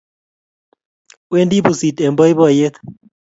Wendi pusit eng boiboiyet